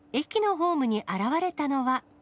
駅のホームに現れたのは。